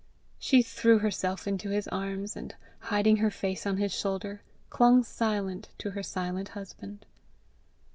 She threw herself into his arms, and hiding her face on his shoulder, clung silent to her silent husband.